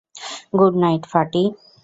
Good night, ফাটি।